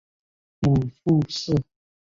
母傅氏。